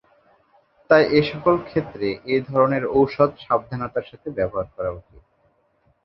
তাই এসকল ক্ষেত্রে এ ধরনের ঔষধ সাবধানতার সাথে ব্যবহার করা উচিত।